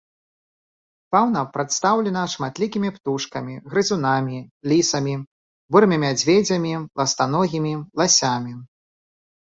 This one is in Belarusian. Фаўна прадстаўлена шматлікімі птушкамі, грызунамі, лісамі, бурымі мядзведзямі, ластаногімі, ласямі.